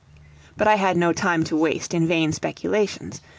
But I had no time to waste in vain speculations.